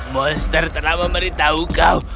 monster telah memberitahu kau